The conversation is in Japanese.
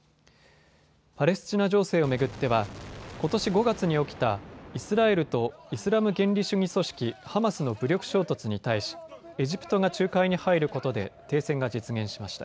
パレスチナ情勢を巡ってはことし５月に起きたイスラエルとイスラム原理主義組織ハマスの武力衝突に対し、エジプトが仲介に入ることで停戦が実現しました。